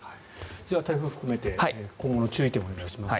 じゃあ、台風含めて今後の注意点をお願いします。